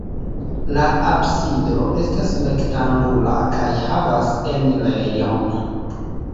La absido estas rektangula kaj havas enirejon.